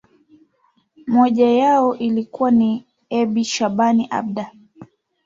moja yao alikuwa ni ebi shaban abda